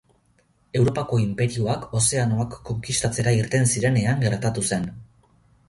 Europako inperioak ozeanoak konkistatzera irten zirenean gertatu zen.